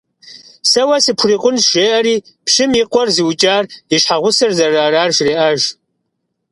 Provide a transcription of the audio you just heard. Сэ уэ сыпхурикъунщ жеӀэри, пщым и къуэр зыукӀар и щхьэгъусэр зэрыарар жреӀэж.